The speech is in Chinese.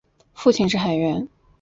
父亲是海员。